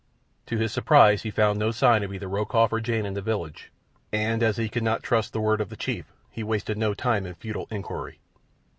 To his surprise he found no sign of either Rokoff or Jane in the village, and as he could not trust the word of the chief, he wasted no time in futile inquiry.